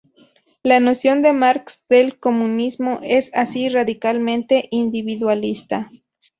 La noción de Marx del comunismo es así radicalmente individualista.